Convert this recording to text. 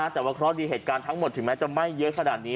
แต่ว่าเคราะห์ดีเหตุการณ์ทั้งหมดถึงแม้จะไหม้เยอะขนาดนี้